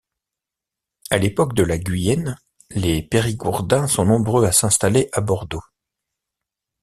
À l'époque de la Guyenne, les Périgourdins sont nombreux à s'installer à Bordeaux.